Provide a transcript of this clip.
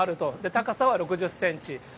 高さは６０センチ。